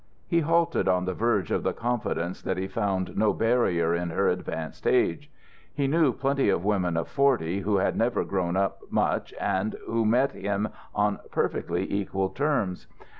He halted on the verge of the confidence that he found no barrier in her advanced age. He knew plenty of women of forty who had never grown up much and who met him on perfectly equal terms.